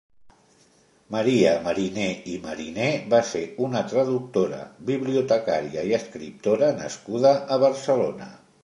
Maria Mariné i Mariné va ser una traductora, bibliotecària i escriptora nascuda a Barcelona.